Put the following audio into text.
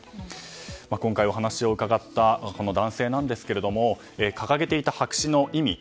今回お話を伺ったこの男性ですが掲げていた白紙の意味。